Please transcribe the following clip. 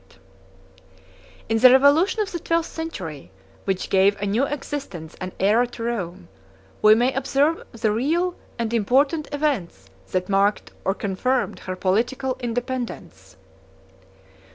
] In the revolution of the twelfth century, which gave a new existence and æra to Rome, we may observe the real and important events that marked or confirmed her political independence.